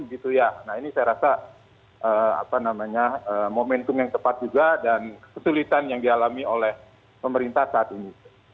jadi saya rasa momentum yang tepat juga dan kesulitan yang dialami oleh pemerintah saat ini